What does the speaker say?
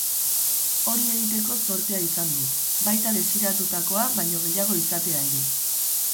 Hori egiteko zortea izan dut, baita desiratutakoa baino gehiago izatea ere.